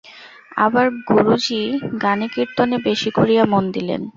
আবার গুরুজি গানে কীর্তনে বেশি করিয়া মন দিলেন।